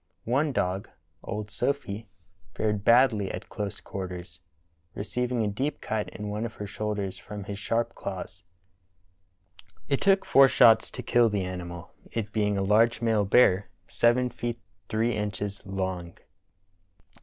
One dog, old Sophy, fared badl)^ at close quarters, receiving a deep cut in one of her shoulders from his sharp claws. It took four shots to kill the animal, it being a large male bear seven feet three inches long.